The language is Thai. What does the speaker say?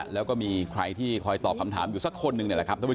แล้วก็มีใครที่คอยตอบคำถามอยู่สักคนหนึ่ง